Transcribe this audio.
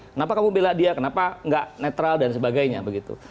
kenapa kamu bela dia kenapa nggak netral dan sebagainya begitu